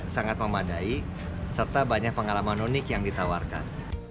sangat memadai serta banyak pengalaman unik yang ditawarkan